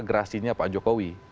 gerasinya pak jokowi